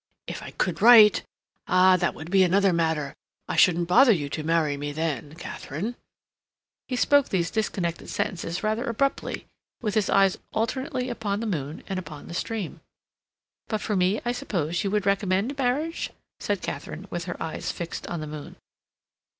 If I could write—ah, that would be another matter. I shouldn't bother you to marry me then, Katharine." He spoke these disconnected sentences rather abruptly, with his eyes alternately upon the moon and upon the stream. "But for me I suppose you would recommend marriage?" said Katharine, with her eyes fixed on the moon.